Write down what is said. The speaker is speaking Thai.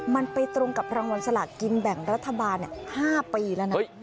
มันไปตรงกับรางวัลสลากินแบ่งรัฐบาล๕ปีแล้วนะ